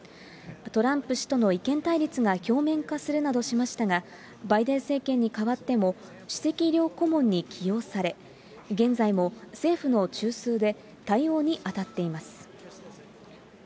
トランプ氏との意見対立が表面化するなどしましたが、バイデン政権に代わっても、首席医療顧問に起用され、現在も政府の中枢で対応に当たっています。